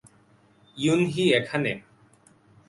Yoon Hee এখানে।